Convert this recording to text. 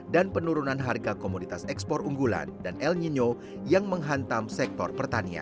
dan penurunan harga komunitas ekspor unggulan dan el nino yang menghantam sektor pertanian